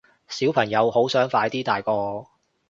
小朋友好想快啲大個